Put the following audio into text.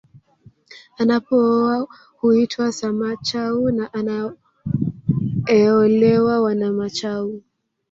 Anapooa huitwa Samachau na anaeolewa Wanamachau